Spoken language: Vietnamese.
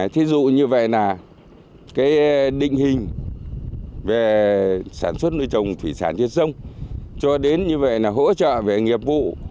thí dụ như vậy là cái định hình về sản xuất nuôi trồng thủy sản trên sông cho đến như vậy là hỗ trợ về nghiệp vụ